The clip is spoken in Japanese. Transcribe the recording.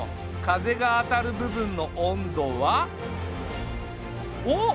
風が当たる部分の温度は？おっ！